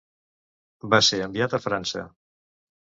Va ser enviat a França.